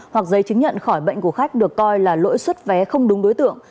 hoặc giấy chứng nhận khỏi bệnh của khách được coi là lỗi xuất vé không đúng đối tượng